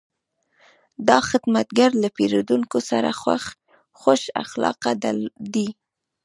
دا خدمتګر له پیرودونکو سره خوش اخلاقه دی.